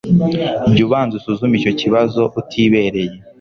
jya ubanza usuzume icyo kibazo utibereye